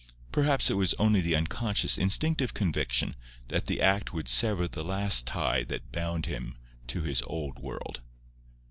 Perhaps it was only the unconscious, instinctive conviction that the act would sever the last tie that bound him to his old world.